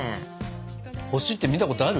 星って見たことある？